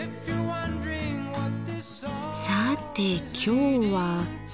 さて今日は。